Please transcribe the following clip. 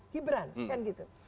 gibran kan gitu